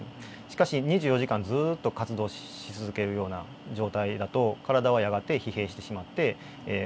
しかし２４時間ずっと活動し続けるような状態だと体はやがて疲弊してしまって続かなくなってしまう。